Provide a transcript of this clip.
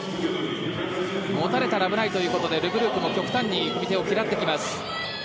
持たれたら危ないということでル・ブルークも極端に組み手を嫌ってきます。